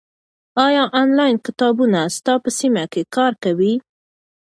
ایا آنلاین کتابتونونه ستا په سیمه کې کار کوي؟